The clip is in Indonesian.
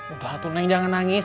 udah tuh neng jangan nangis